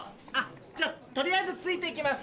じゃ取りあえずついて行きます。